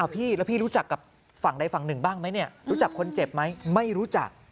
พี่แล้วพี่รู้จักกับฝั่งใดฝั่งหนึ่งบ้างไหมเนี่ยรู้จักคนเจ็บไหมไม่รู้จัก